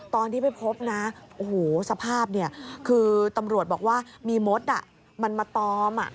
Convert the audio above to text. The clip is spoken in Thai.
ตอนที่ไปพบนะโอ้โหสภาพเนี่ยคือตำรวจบอกว่ามีมดมันมาตอม